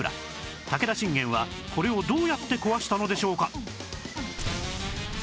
武田信玄はこれをどうやって壊したのでしょうか？